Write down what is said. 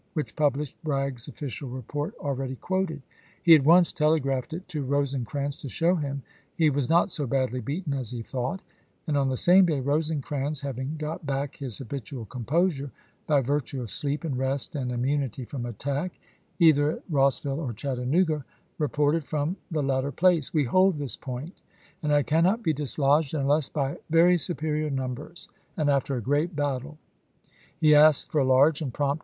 ^^' which published Bragg's official report already voi. kxx. quoted. He at once telegraphed it to Rosecrans p '^ai " to show him he was not so badly beaten as he thought, and on the same day Rosecrans, having got back his habitual composui e by virtue of sleep and rest and immunity from attack, either at Ross viUe or Chattanooga, reported from the latter place, " We hold this point, and I cannot be dis lodged unless by very superior numbers and after vm^xxx., a great battle." He asked for large and prompt p^.